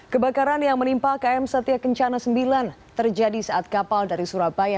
kebakaran yang menimpa km satya kencana sembilan terjadi saat kapal dari surabaya